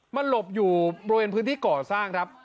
มันหลบอยู่บริเวณพื้นที่ก่อสร้างครับ